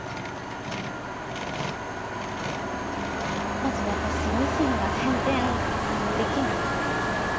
まず私ミシンが全然できなくてですね